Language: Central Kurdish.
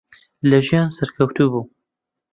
لە ژیان سەرکەوتوو بوو.